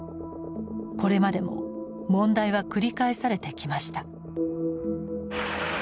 これまでも問題は繰り返されてきました。